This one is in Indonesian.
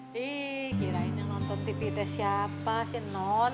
bi kirain yang nonton tvt siapa sih non